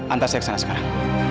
antas yaksana sekarang